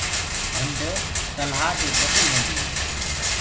ڍنڊ تلآه دي ڀڏي هوندي هي۔